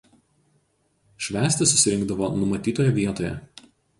Švęsti susirinkdavo numatytoje vietoje.